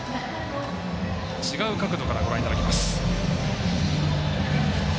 違う角度からご覧いただきます。